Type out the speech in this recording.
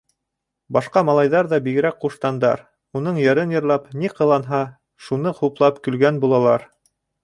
Башҡа малайҙар ҙа бигерәк ҡуштандар, уның йырын йырлап, ни ҡыланһа, шуны хуплап көлгән булалар.